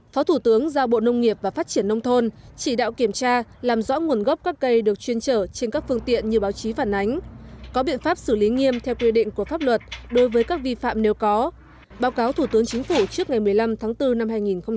phó thủ tướng giao bộ nông nghiệp và phát triển nông thôn chỉ đạo kiểm tra làm rõ nguồn gốc các cây được chuyên trở trên các phương tiện như báo chí phản ánh có biện pháp xử lý nghiêm theo quy định của pháp luật đối với các vi phạm nếu có báo cáo thủ tướng chính phủ trước ngày một mươi năm tháng bốn năm hai nghìn hai mươi